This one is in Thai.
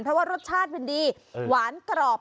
เพราะว่ารสชาติมันดีหวานกรอบ